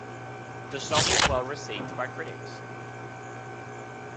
The song was well-received by critics.